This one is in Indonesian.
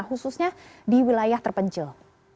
khususnya di wilayah terpencil